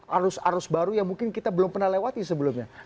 arus arus baru yang mungkin kita belum pernah lewati sebelumnya